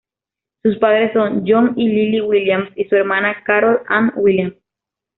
Sus padres son John y Lillie Williams, y su hermana, Carol Ann Williams.